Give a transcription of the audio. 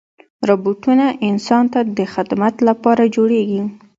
روبوټونه انسان ته د خدمت لپاره جوړېږي.